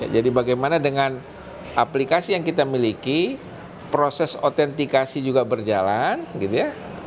jadi bagaimana dengan aplikasi yang kita miliki proses otentikasi juga berjalan gitu ya